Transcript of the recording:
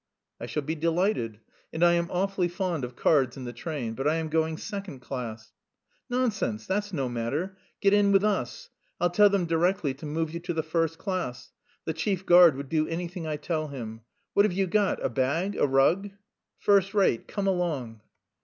"I shall be delighted, and I am awfully fond of cards in the train, but I am going second class." "Nonsense, that's no matter. Get in with us. I'll tell them directly to move you to the first class. The chief guard would do anything I tell him. What have you got?... a bag? a rug?" "First rate. Come along!"